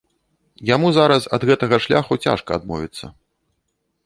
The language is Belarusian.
Яму зараз ад гэтага шляху цяжка адмовіцца.